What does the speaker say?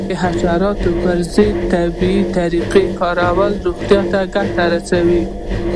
د حشراتو پر ضد د طبیعي طریقو کارول روغتیا ته ګټه رسوي.